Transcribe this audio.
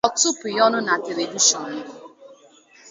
Ọ tụpụghị ọnụ na Televishọnụ